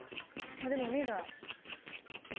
あっでも目だ。